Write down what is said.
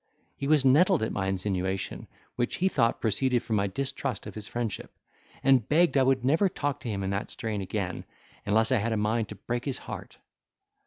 He was nettled at my insinuation, which he thought proceeded from my distrust of his friendship; and begged I would never talk to him in that strain again, unless I had a mind to break his heart.